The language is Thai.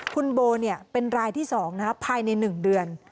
คุณโบเป็นรายที่๒ภายใน๑เดือน